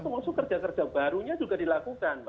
termasuk kerja kerja barunya juga dilakukan